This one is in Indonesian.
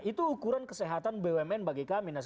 itu ukuran kesehatan bumn bagi kami